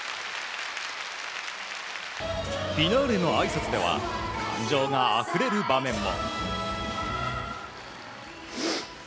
フィナーレのあいさつでは感情があふれる場面も。